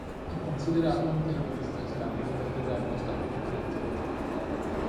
È considerato un terrorista islamico dal Governo statunitense.